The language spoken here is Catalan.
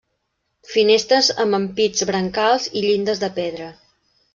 Finestres amb ampits, brancals i llindes de pedra.